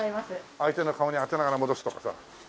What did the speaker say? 相手の顔に当てながら戻すとかさ。